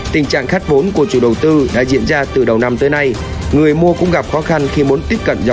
tình trạng khát vốn của chủ đầu tư đã diễn ra từ đầu năm tới nay